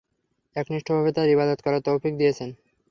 একনিষ্ঠভাবে তাঁর ইবাদত করার তওফীক দিয়েছেন।